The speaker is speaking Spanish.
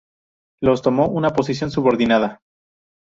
Loos tomó una posición subordinada.